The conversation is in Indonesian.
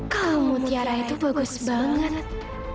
kamu tiara itu bagus banget